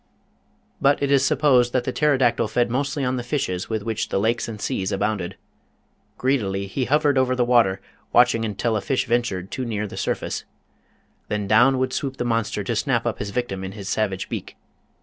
But it is supposed that the Pterodactyl fed mostly on the fishes with which the lakes and seas abounded. Greedily he hovered over the water, watching until a fish ventured too near the surface. Then down would swoop the monster to snap up his victim in his savage beak.